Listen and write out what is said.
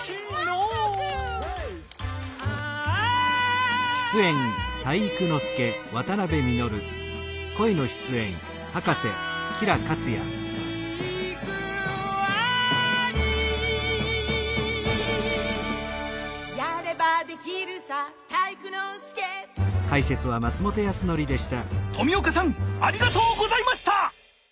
冨岡さんありがとうございました。